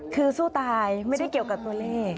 คือสู้ตายไม่ได้เกี่ยวกับตัวเลข